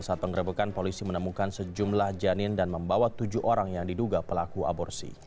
saat pengerebekan polisi menemukan sejumlah janin dan membawa tujuh orang yang diduga pelaku aborsi